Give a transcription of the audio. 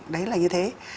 đấy là như thế